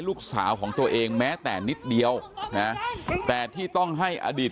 ลูกสาวของตัวเองแม้แต่นิดเดียวนะแต่ที่ต้องให้อดีต